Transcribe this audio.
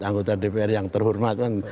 anggota dpr yang terhormat kan